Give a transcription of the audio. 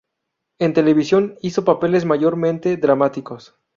En televisión hizo papeles mayormente dramáticos.